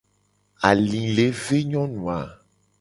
Ali le ve nyonu a.